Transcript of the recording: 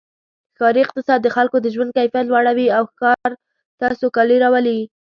ښاري اقتصاد د خلکو د ژوند کیفیت لوړوي او ښار ته سوکالي راولي.